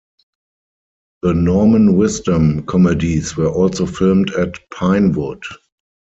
The Norman Wisdom comedies were also filmed at Pinewood.